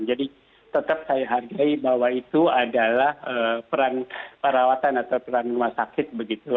jadi tetap saya hargai bahwa itu adalah peran perawatan atau peran rumah sakit begitu